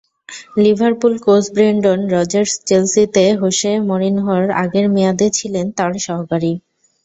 Liverpool coach Brendan Rodgers চেলসিতে Jose মরিনহোর আগের মেয়াদে ছিলেন তাঁর সহকারী।